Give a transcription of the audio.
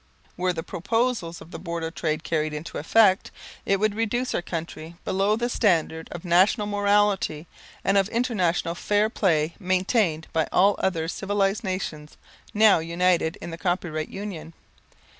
Were the proposals of the Board of Trade carried into effect, it would reduce our country below the standard of national morality and of international fair play maintained by all other civilized nations now united in the Copyright Union.